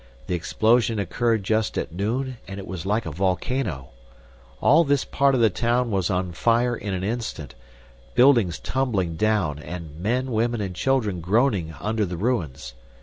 The explosion occurred just at noon and it was like a volcano. All this part of the town was on fire in an instant, buildings tumbling down and men, women, and children groaning under the ruins.